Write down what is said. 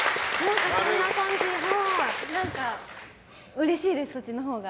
うれしいです、そっちのほうが。